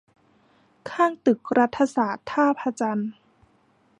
ข้างตึกรัฐศาสตร์ ท่าพระจันทร์